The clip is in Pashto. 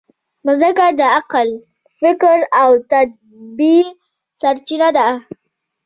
مځکه د عقل، فکر او تدبر سرچینه ده.